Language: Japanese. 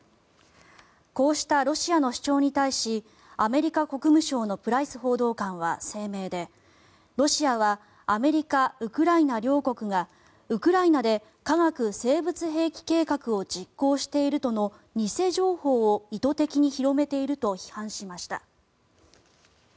こうしたロシアの主張に対しアメリカ国務省のプライス報道官は声明でロシアはアメリカ、ウクライナ両国がウクライナで化学・生物兵器計画を実行しているとの偽情報を意図的に広めていると批判しました。